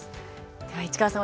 では市川さん